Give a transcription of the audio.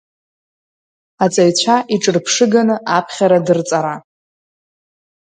Аҵаҩцәа иҿырԥшыганы аԥхьара дырҵара.